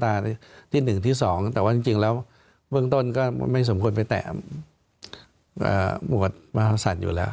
แต่ว่าจริงแล้วเบื้องต้นก็ไม่สมควรไปแต่หมวดมหาศัลย์อยู่แล้ว